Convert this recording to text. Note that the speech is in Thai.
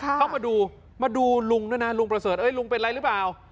เข้ามาดูมาดูลุงด้วยนะลุงประเสริฐเอ้ยลุงเป็นอะไรหรือเปล่า